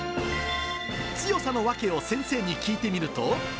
強さの訳を先生に聞いてみると。